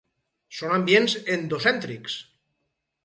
Són ambients endocèntrics.